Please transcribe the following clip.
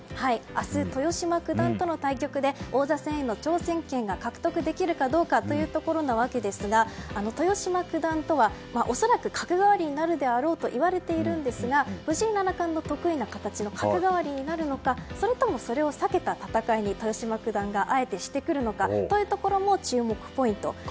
明日、豊島九段との対局で王座戦への挑戦権が獲得できるかどうなのかというところなわけですが豊島九段とは恐らく角換わりになるであろうといわれていますが藤井七冠の得意な形の角換わりになるのかそれともそれを避けた戦いに豊島九段があえてしてくるのかというところも注目ポイントです。